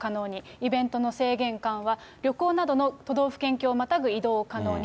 イベントの制限緩和、旅行などの都道府県境をまたぐ移動を可能に。